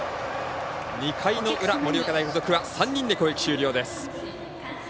２回の裏、盛岡大付属は３人で攻撃終了です。